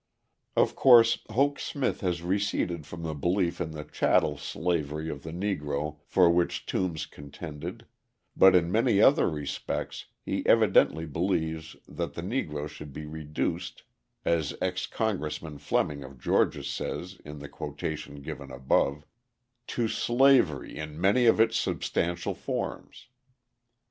Of course Hoke Smith has receded from the belief in the chattel slavery of the Negro for which Toombs contended; but in many other respects he evidently believes that the Negro should be reduced (as Ex Congressman Fleming of Georgia says in the quotation given above) "to slavery in many of its substantial forms."